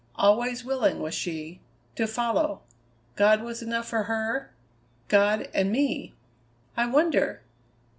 Always willing, was she, to follow. God was enough for her God and me!" "I wonder!"